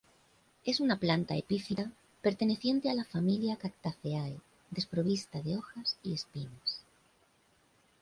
Es una planta epífita perteneciente a la familia cactaceae, desprovista de hojas y espinas.